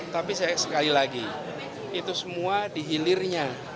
tapi sekali lagi itu semua dihilirnya